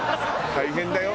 大変だよ？